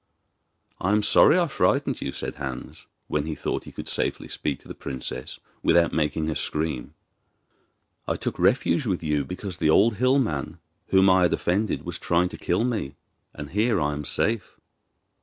'I am sorry I frightened you,' said Hans, when he thought he could safely speak to the princess without making her scream. 'I took refuge with you because the old hill man, whom I have offended, was trying to kill me, and here I am safe.